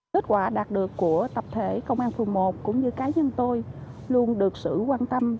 kết quả đạt được của tập thể công an phường một cũng như cá nhân tôi luôn được sự quan tâm